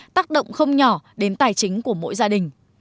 tác động không nhỏ đến tài chính của mỗi gia đình